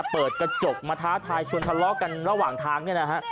เปิดกระจกมาท้าทายชวนทะเลาะกันระหว่างทาง